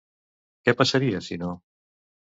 Què passaria, si no?